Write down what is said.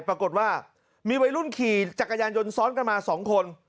ปรากฏว่ามีวัยรุ่นขี่จักรยานยนต์ซ้อนกันมา๒คน